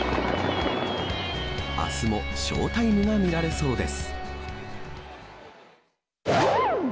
あすもショウタイムが見られそうです。